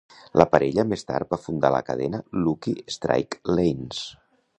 La parella més tard va fundar la cadena Lucky Strike Lanes.